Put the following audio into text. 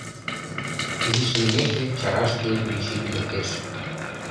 Изиш лиймеке, чарашке Мичий лектеш.